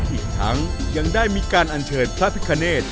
อีกทั้งเนื่อยยังได้มีการอัญเชิญพระพุทธิ์คะเนท